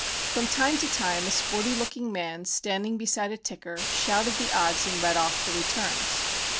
From time to time a sporty looking man standing beside a ticker, shouted the odds and read off the returns.